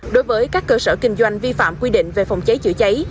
đối với các cơ sở kinh doanh vi phạm quy định về phòng cháy chữa cháy